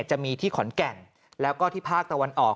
จะมีที่ขอนแก่นแล้วก็ที่ภาคตะวันออก